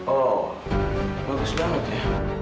oh bagus banget ya